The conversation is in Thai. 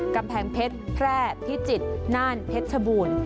กำแพงเพชรแพร่พิจิตรน่านเพชรชบูรณ์